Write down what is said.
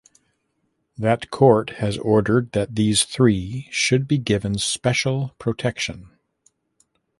That court has ordered that these three should be given special protection.